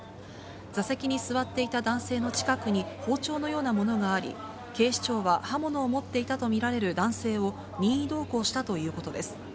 座席に座っていた男性の近くに包丁のようなものがあり、警視庁は刃物を持っていたと見られる男性を任意同行したということです。